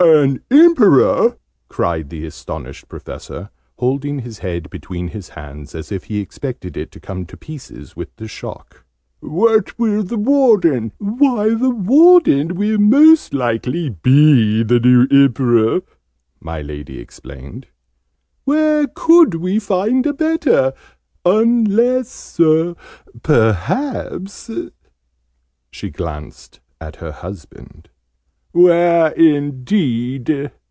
"An Emperor!" cried the astonished Professor, holding his head between his hands, as if he expected it to come to pieces with the shock. "What will the Warden " "Why, the Warden will most likely be the new Emperor!" my Lady explained. "Where could we find a better? Unless, perhaps " she glanced at her husband. "Where indeed!"